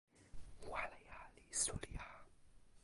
waleja li suli a!